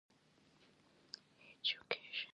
ايجوکيشن